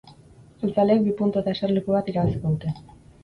Jeltzaleek bi puntu eta eserleku bat irabaziko dute.